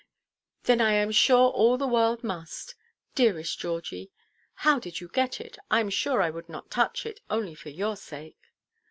"Then I am sure all the world must. Dearest Georgie, how did you get it? I am sure I would not touch it, only for your sake."